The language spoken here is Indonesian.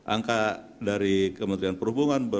angka dari kementerian perhubungan